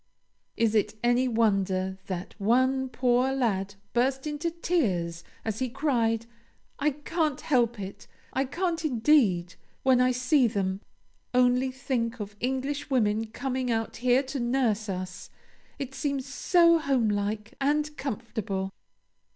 Is it any wonder that one poor lad burst into tears as he cried: "I can't help it, I can't indeed, when I see them. Only think of Englishwomen coming out here to nurse us! It seems so homelike and comfortable."